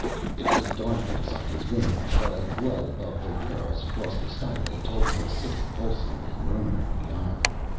It was dark outside his windows, but a glow above the walls across the skyway told of the city pulsing and murmuring beyond.